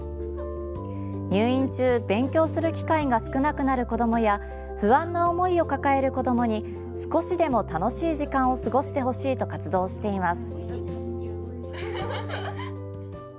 入院中、勉強する機会が少なくなる子どもや不安な思いを抱える子どもに少しでも楽しい時間を過ごしてほしいと活動しています。